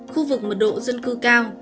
khu vực mật độ dân cư cao